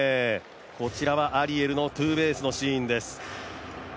こちらはアリエルのツーベースのシーンです。